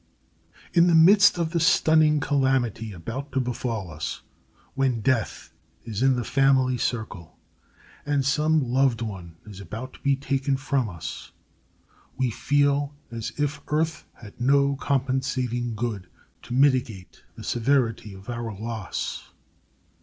In the midst of the stunning calamity about to befall us, when death is in the family circle, and some loved one is about to be taken from us, we feel as if earth had no compensating good to mitigate the severity of our loss.